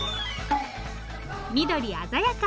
緑鮮やか！